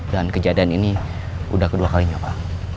dan kejadian ini udah kedua kalinya pak